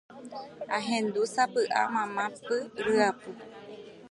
Ahendu sapy'a mamá py ryapu